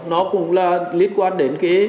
nó cũng liên quan đến